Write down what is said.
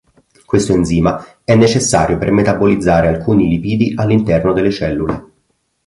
Questo enzima è necessario per metabolizzare alcuni lipidi all'interno delle cellule.